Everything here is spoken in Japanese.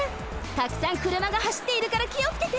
たくさんくるまがはしっているからきをつけて！